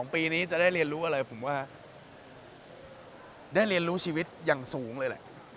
ปีนี้จะได้เรียนรู้อะไรผมว่าได้เรียนรู้ชีวิตอย่างสูงเลยแหละ